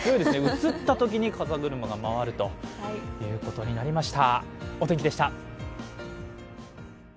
映ったときに風車が回るということになりました。